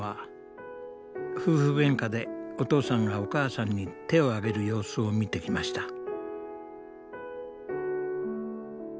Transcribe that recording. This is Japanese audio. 夫婦げんかでお父さんがお母さんに手を上げる様子を見てきました。